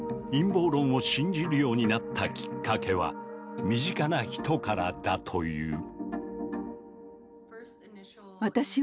陰謀論を信じるようになったきっかけは身近な人からだという。